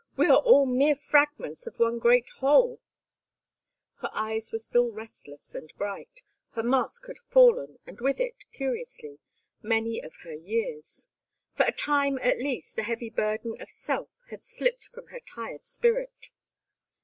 We are all mere fragments of one great whole." Her eyes were still restless and bright, her mask had fallen, and with it, curiously, many of her years. For a time, at least, the heavy burden of self had slipped from her tired spirit.